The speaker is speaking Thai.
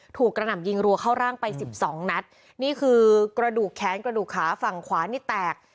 กระหน่ำยิงรัวเข้าร่างไปสิบสองนัดนี่คือกระดูกแขนกระดูกขาฝั่งขวานี่แตก